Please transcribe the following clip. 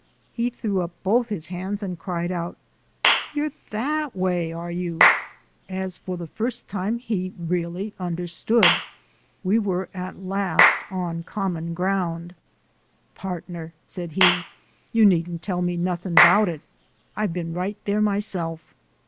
He threw up both his hands and cried out: "You're that way, are you?" as though for the first time he really understood. We were at last on common ground. "Partner," said he, "you needn't tell nothin' about it. I've been right there myself."